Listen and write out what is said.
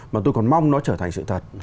mà tôi còn mong nó trở thành sự thật